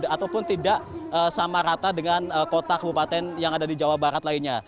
ataupun tidak sama rata dengan kota kebupaten yang ada di jawa barat lainnya